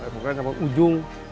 bukan sampai ujung